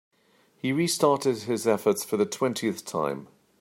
He restarted his efforts for the twentieth time.